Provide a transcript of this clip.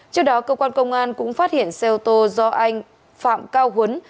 trước đó cơ quan công an cũng phát hiện xe ô tô do anh phạm cao huấn